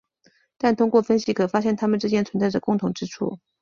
但通过分析可发现它们之间存在着共同之处。